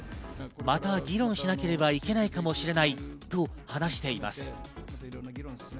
また議論しなければいけないかもしれないと話しています。